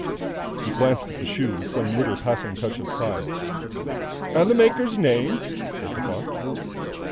He glanced at the shoe with some little passing touch of pride. "And the maker's name?" said Defarge.